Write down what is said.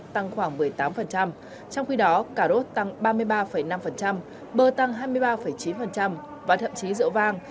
tăng khoảng một mươi tám trong khi đó cà rốt tăng ba mươi ba năm bơ tăng hai mươi ba chín và thậm chí rượu vang